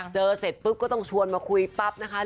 เสร็จปุ๊บก็ต้องชวนมาคุยปั๊บนะคะ